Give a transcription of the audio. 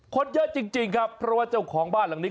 คนเยอะจริงครับเพราะว่าเจ้าของบ้านหลังนี้